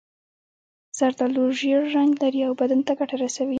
زردالو ژېړ رنګ لري او بدن ته ګټه رسوي.